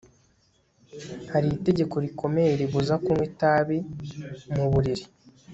Hariho itegeko rikomeye ribuza kunywa itabi mu buriri